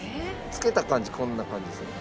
つけた感じこんな感じですね。